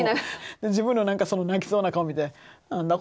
自分のその泣きそうな顔見て何だ？